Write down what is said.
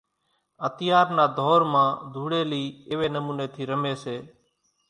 اتيار نا ڌور مان ڌوڙيلي ايوي نموني ٿي رمي سي۔